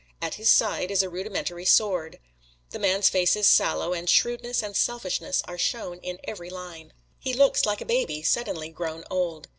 At his side is a rudimentary sword. The man's face is sallow, and shrewdness and selfishness are shown in every line. He looks like a baby suddenly grown old.